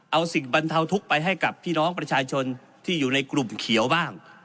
เอาสิ่งบรรเทาทุกข์ไปให้กับพี่น้องประชาชนที่อยู่ในกลุ่มเขียวบ้าง